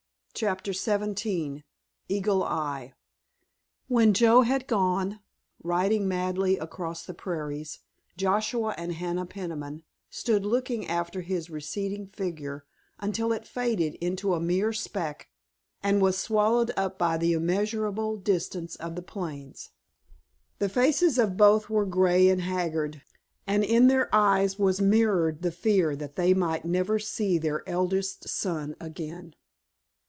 *CHAPTER XVII* *EAGLE EYE* When Joe had gone, riding madly away across the prairies, Joshua and Hannah Peniman stood looking after his receding figure until it faded into a mere speck and was swallowed up by the immeasurable distance of the plains. The faces of both were grey and haggard, and in their eyes was mirrored the fear that they might never see their eldest son again.